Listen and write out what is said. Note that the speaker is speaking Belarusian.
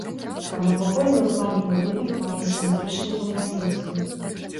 Прамавугольны ў плане будынак мае сіметрычную кампазіцыю.